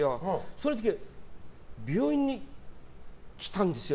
その時に、病院に来たんですよ。